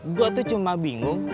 gue tuh cuma bingung